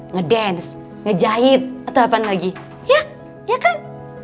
ngedance ngejahit atau apaan lagi ya ya kan